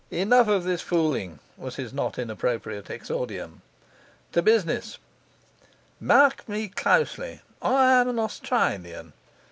'Enough of this fooling,' was his not inappropriate exordium. 'To business. Mark me closely. I am an Australian.